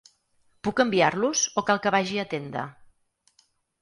Puc enviar-los o cal que vagi a tenda?